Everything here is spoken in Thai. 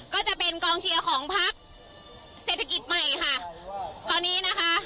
ก็จะเป็นกองเชียร์ของพักเศรษฐกิจใหม่ค่ะตอนนี้นะคะ